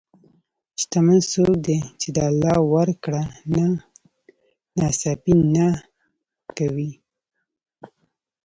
شتمن څوک دی چې د الله ورکړه نه ناسپاسي نه کوي.